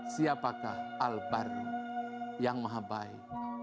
siapakah al baru yang maha baik